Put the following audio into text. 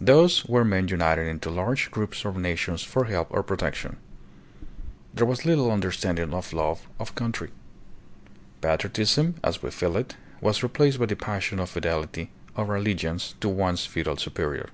Thus were men united into large groups or nations for help or protection. There was little under standing of love of country. Patriotism, as we feel it, was replaced by the passion of fidelity or allegiance to one's feudal superior.